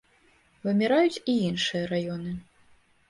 Выміраюць і іншыя раёны.